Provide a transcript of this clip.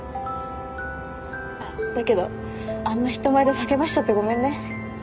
だけどあんな人前で叫ばせちゃってごめんね。